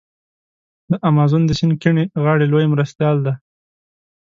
د امازون د سیند کیڼې غاړي لوی مرستیال دی.